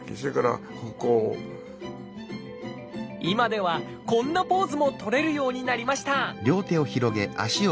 今ではこんなポーズも取れるようになりました！